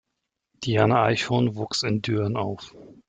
Diana Eichhorn wuchs in Düren auf.